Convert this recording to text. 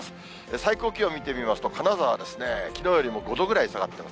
最高気温、見てみますと、金沢ですね、きのうより５度くらい下がってます。